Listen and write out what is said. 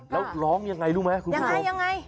แล้วร้องยังไงรู้ไหมคุณพุทธรพย์ยังไง